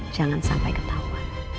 jangan sampai ketahuan